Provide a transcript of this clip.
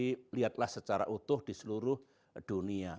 negara itu tidak secara utuh di seluruh dunia